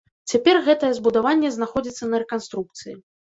Цяпер гэтае збудаванне знаходзіцца на рэканструкцыі.